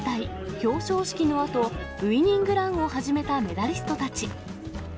表彰式のあと、ウイニングランを始めたメダリストたち。